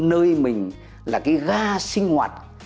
nơi mình là cái ga sinh hoạt